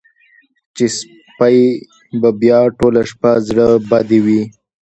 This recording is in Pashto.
چې سپۍ به بیا ټوله شپه زړه بدې وي.